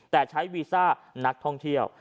แต่ใช้วีซ่านักท่องเที่ยว